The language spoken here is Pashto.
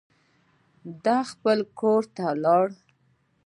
ده خپل کور ته لاړ.